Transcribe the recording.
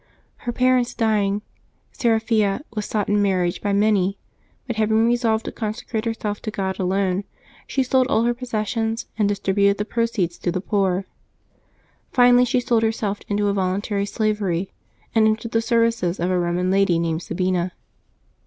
Her parents dying, Seraphia w^as sought in marriage by many, but having resolved to conse crate herself to God alone, she sold all her possessions and distributed the proceeds to the poor; finally she sold her self into a voluntary slavery, and entered the services of a Eoman lady named Sabina.